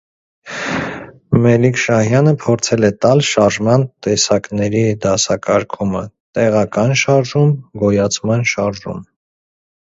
Մելիքշահյանը փորձել է տալ շարժման տեսակների դասակարգումը («տեղական» շարժում, «գոյացման» շարժում)։